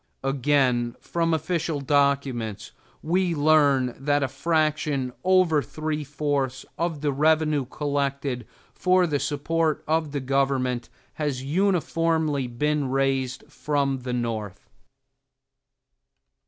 Again, from official documents, we learn that a fraction over three fourths of the revenue collected for the support of the government has uniformly been raised from the North.